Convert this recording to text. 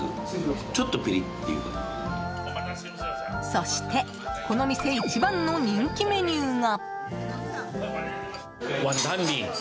そして、この店一番の人気メニューが。